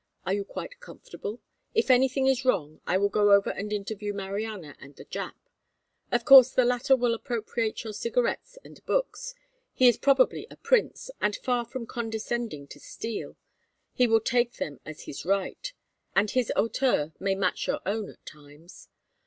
Are you quite comfortable? If anything is wrong I will go over and interview Mariana and the Jap. Of course the latter will appropriate your cigarettes and books; he is probably a prince, and far from condescending to steal, he will take them as his right; and his hauteur may match your own at times.